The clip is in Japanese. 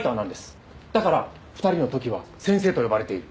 だから２人の時は「先生」と呼ばれている。